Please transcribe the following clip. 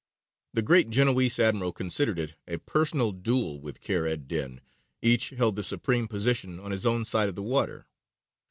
The great Genoese admiral considered it a personal duel with Kheyr ed dīn. Each held the supreme position on his own side of the water.